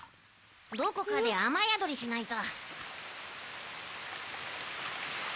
どこかであまやどりしないと。